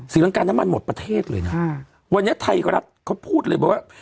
รังการน้ำมันหมดประเทศเลยนะวันนี้ไทยรัฐเขาพูดเลยบอกว่า